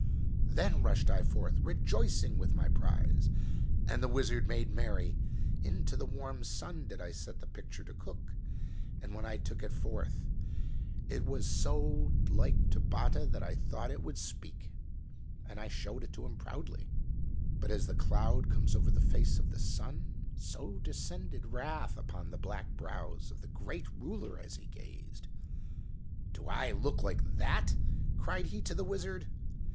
Then rushed I forth rejoicing with my prize, and the wizard made merry. Into the warm sun did I set the picture to cook, and when I took it forth it was so like to Batta that I thought it would speak ; and I showed it to him proudly. N > S H O w Q 2 u n.. H K h w H O O O Q PREHISTORIC PHOTOGRAPHY 13 But, as the cloud comes over the face of the sun, so descended wrath upon the black brows of the great ruler as he gazed. "Do I look like that?" cried he to the wizard.